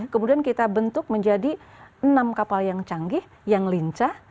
kemudian kita bentuk menjadi enam kapal yang canggih yang lincah